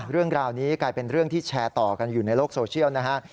เรื่องราวนี้กลายเป็นเรื่องที่แชร์ต่อกันอยู่ในโลกโซเชียลนะฮะ